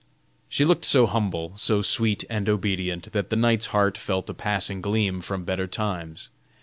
She looked so humble, so sweet, and obedient, that the knight's heart felt a passing gleam from better times.